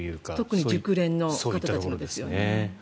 特に熟練の方たちのですよね。